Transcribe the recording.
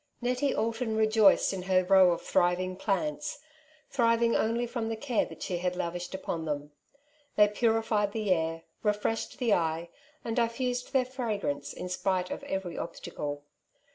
Nettie Alton rejoiced in her row of thiiving plants — thriving only from the care that she had lavished upon them. They purified the air, refreshed the eye, and diffused their fragrance in spite of every obstacle.